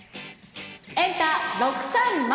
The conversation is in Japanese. エンタ６３０。